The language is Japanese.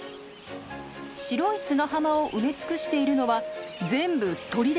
白い砂浜を埋め尽くしているのは全部鳥です。